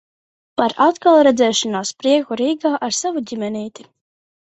Par atkalredzēšanās prieku Rīgā ar savu ģimenīti.